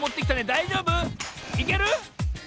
だいじょうぶ？いける？